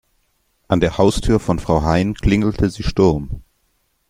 An der Haustür von Frau Hein klingelte sie Sturm.